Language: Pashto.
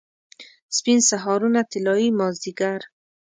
سپین سهارونه، طلايي مازدیګر